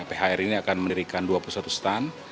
phri ini akan menirikan dua puluh satu stand